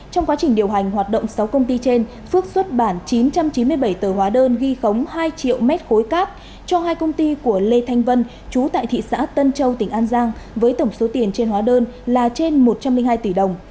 trong quá trình điều hành hoạt động sáu công ty trên phước xuất bản chín trăm chín mươi bảy tờ hóa đơn ghi khống hai triệu mét khối cát cho hai công ty của lê thanh vân chú tại thị xã tân châu tỉnh an giang với tổng số tiền trên hóa đơn là trên một trăm linh hai tỷ đồng